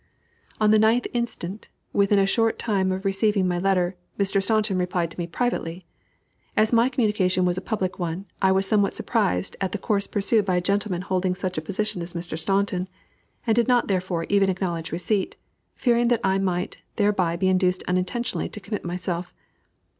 On the 9th inst., within a short time of receiving my letter, Mr. Staunton replied to me privately. As my communication was a public one, I was somewhat surprised at the course pursued by a gentleman holding such a position as Mr. Staunton, and did not, therefore, even acknowledge receipt, fearing that I might thereby be induced unintentionally to commit myself.